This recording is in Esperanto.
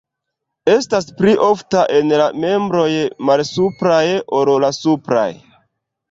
Estas pli ofta en la membroj malsupraj ol la supraj.